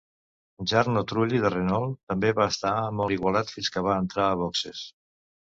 Jarno Trulli de Renault també va estar molt igualat fins que va entrar a boxes.